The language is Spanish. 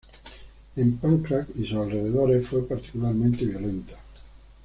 En Pakrac y sus alrededores fue particularmente violenta.